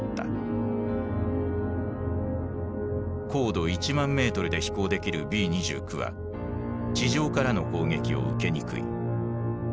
高度１万メートルで飛行できるＢー２９は地上からの攻撃を受けにくい。